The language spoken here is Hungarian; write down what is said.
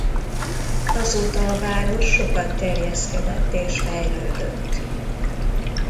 Azóta a város sokat terjeszkedett és fejlődött.